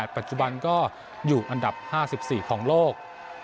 ปัจจุบันก็อยู่อันดับ๕๔ของโลก